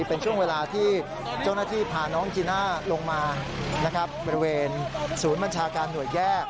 เป็นช่วงเวลาที่เจ้าหน้าที่พาน้องจีน่าลงมานะครับบริเวณศูนย์บัญชาการหน่วยแยก